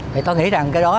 thì tôi nghĩ rằng cái đó